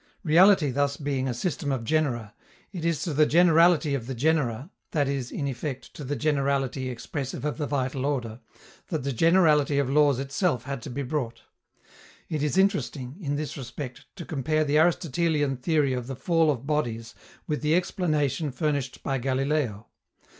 Reality thus being a system of genera, it is to the generality of the genera (that is, in effect, to the generality expressive of the vital order) that the generality of laws itself had to be brought. It is interesting, in this respect, to compare the Aristotelian theory of the fall of bodies with the explanation furnished by Galileo.